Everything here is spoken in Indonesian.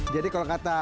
jadi kalau kata